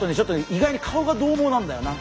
意外に顔がどうもうなんだよな。